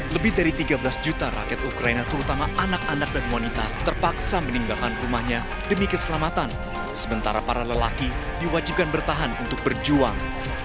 lebih dari tiga belas juta rakyat ukraina terutama anak anak dan wanita terpaksa meninggalkan rumahnya demi keselamatan sementara para lelaki diwajibkan bertahan untuk berjuang